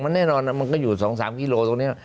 แน่นอนมันก็อยู่๒๓กิโลตรงนี้